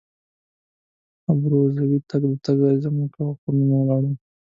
ما ابروزي ته د تګ عزم کړی وو خو نه ولاړم.